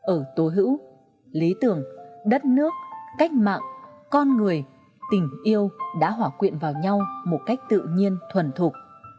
ở tố hữu lý tưởng đất nước cách mạng con người tình yêu đã hỏa quyện vào nhau một cách tự nhiên thuần thục